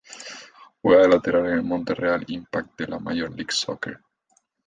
Juega de lateral en el Montreal Impact de la Major League Soccer.